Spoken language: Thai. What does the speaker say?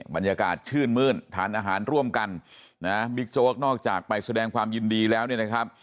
บรรยากาศชื่นมื้นทานอาหารร่วมกันนะบิ๊กโจ๊กนอกจากไปแสดงความยินดีแล้วเนี่ยนะครับ